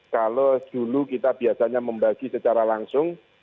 kalau dulu kita biasanya membagi secara langsung